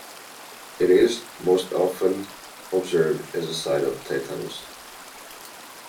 It is most often observed as a sign of tetanus.